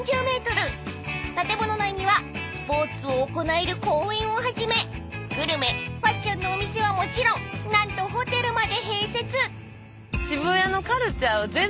［建物内にはスポーツを行える公園をはじめグルメファッションのお店はもちろん何とホテルまで併設］